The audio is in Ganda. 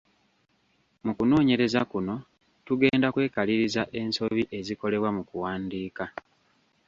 Mu kunoonyereza kuno tugenda kwekaliriza ensobi ezikolebwa mu kuwandiika.